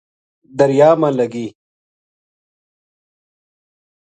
دریا ما لگی